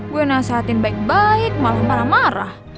gue nasihatin baik baik malah marah marah